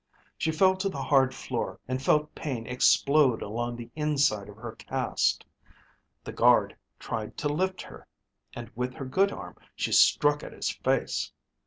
She fell to the hard floor and felt pain explode along the inside of her cast. The guard tried to lift her, and with her good arm she struck at his face.